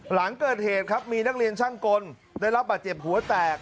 หลังเกิดเหตุครับมีนักเรียนช่างกลได้รับบาดเจ็บหัวแตก